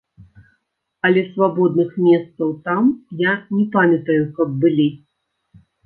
Але свабодных месцаў там я не памятаю, каб былі.